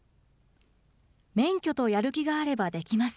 免許とやる気があればできます。